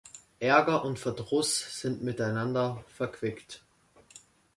Ärger und Verdruss sind miteinander verquickt.